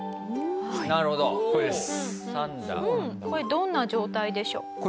これどんな状態でしょう？